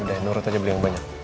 udah nurut aja beliau yang banyak